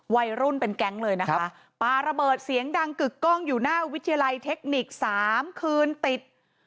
วัยรุ่นเป็นแก๊งเลยนะคะปาระเบิดเสียงดังกึกกล้องอยู่หน้าวิทยาลัยเทคนิคสามคืนติด